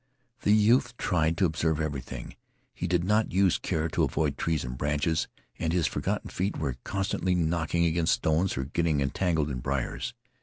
The youth tried to observe everything. He did not use care to avoid trees and branches, and his forgotten feet were constantly knocking against stones or getting entangled in briers.